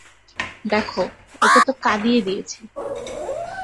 দেখ, ওকে তো কাঁদিয়ে দিয়েছি।